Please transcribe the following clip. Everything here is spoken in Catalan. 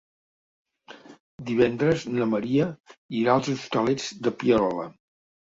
Divendres na Maria irà als Hostalets de Pierola.